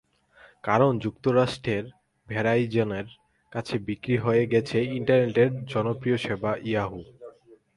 কারণ, যুক্তরাষ্ট্রের ভেরাইজনের কাছে বিক্রি হয়ে গেছে ইন্টারনেটের জনপ্রিয় সেবা ইয়াহু।